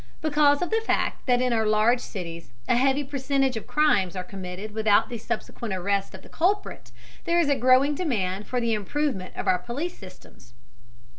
Because of the fact that in our large cities a heavy percentage of crimes are committed without the subsequent arrest of the culprit, there is a growing demand for the improvement of our police systems.